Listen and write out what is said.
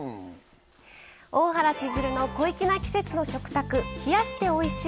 「大原千鶴の小粋な季節の食卓・冷やしておいしい！